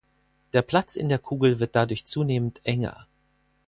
Der Platz in der Kugel wird dadurch zunehmend enger.